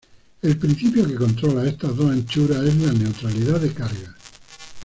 El principio que controla estas dos anchuras es la neutralidad de cargas.